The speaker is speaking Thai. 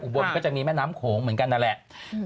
บนก็จะมีแม่น้ำโขงเหมือนกันนั่นแหละ